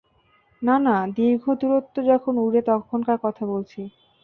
না, না, না, দীর্ঘ দূরত্বে যখন উড়ে তখনকার কথা বলছি।